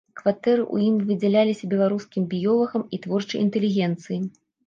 Кватэры ў ім выдзяліся беларускім біёлагам і творчай інтэлігенцыі.